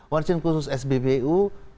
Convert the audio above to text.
merchant khusus sbpu lima belas